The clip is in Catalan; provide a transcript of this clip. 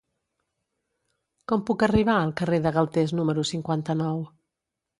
Com puc arribar al carrer de Galtés número cinquanta-nou?